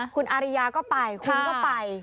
คุณอาริยาก็ไปคุณก็ไป